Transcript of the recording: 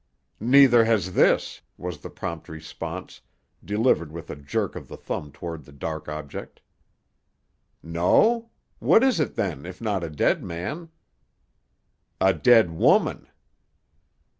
"Neither has this," was the prompt response, delivered with a jerk of the thumb toward the dark object. "No? What is it then, if not a dead man?" "A dead woman."